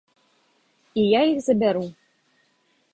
І я іх забяру.